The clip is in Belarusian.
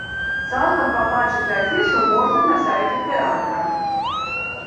Цалкам пабачыць афішу можна на сайце тэатра.